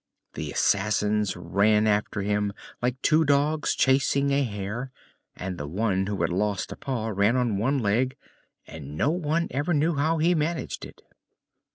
The assassins ran after him like two dogs chasing a hare, and the one who had lost a paw ran on one leg, and no one ever knew how he managed it.